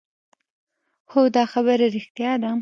خو دا خبره رښتيا ده.